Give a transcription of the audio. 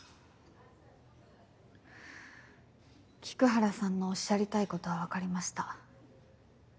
菊原さんのおっしゃりたいことは分かりました。